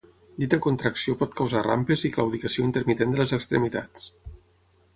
Dita contracció pot causar rampes i claudicació intermitent de les extremitats.